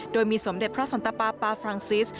โดยมีสมเด็จพระสันตปาปาฟรังซิส